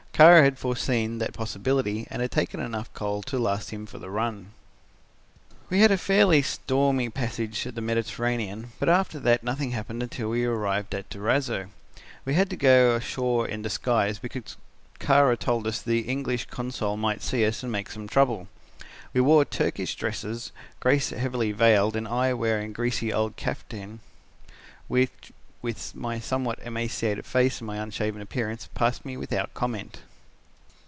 Kara had foreseen that possibility and had taken in enough coal to last him for the run. "We had a fairly stormy passage in the Mediterranean, but after that nothing happened until we arrived at Durazzo. We had to go ashore in disguise, because Kara told us that the English Consul might see us and make some trouble. We wore Turkish dresses, Grace heavily veiled and I wearing a greasy old kaftan which, with my somewhat emaciated face and my unshaven appearance, passed me without comment.